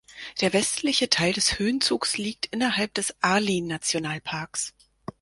Der westliche Teil des Höhenzugs liegt innerhalb des Arli-Nationalparks.